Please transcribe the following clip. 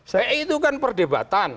nah itu kan perdebatan